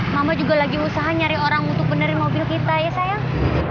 mama juga lagi usaha nyari orang untuk benerin mobil kita ya sayang